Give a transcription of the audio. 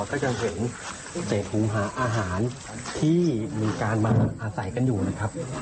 ก็จะเห็นเศษหูหาอาหารที่มีการมาอาศัยกันอยู่นะครับ